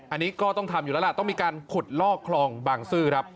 อันนี้ก็ต้องทำอยู่แล้วล่ะต้องมีการขุดลอกคลองบางซื่อครับ